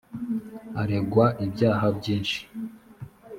aregwa ibyaha byishi.